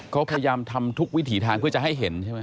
เขาพยายามทำทุกวิถีทางเพื่อจะให้เห็นใช่ไหม